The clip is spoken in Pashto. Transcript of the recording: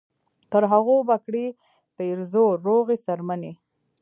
پر هغو به کړي پیرزو روغې څرمنې